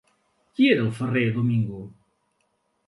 Qui era el ferrer Domingo?